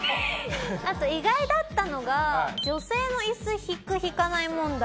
あと意外だったのが「女性のイス引く？引かない？問題」。